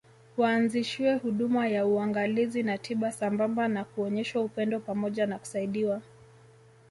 Waanzishiwe huduma ya uangalizi na tiba sambamba na kuonyeshwa upendo pamoja na kusaidiwa